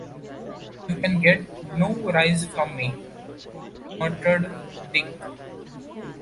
"You can get no rise from me," muttered Dick.